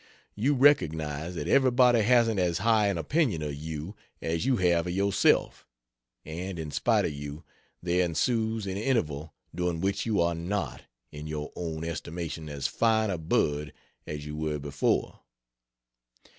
You recognize that everybody hasn't as high an opinion of you as you have of yourself; and in spite of you there ensues an interval during which you are not, in your own estimation as fine a bird as you were before.